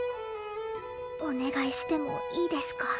お願いしてもいいですか？